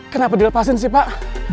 kenapa dilepasin sih pak